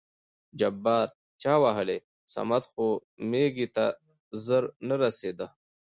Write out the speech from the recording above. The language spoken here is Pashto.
جبار: چا وهلى؟ صمد خو مېږي ته زر نه رسېده.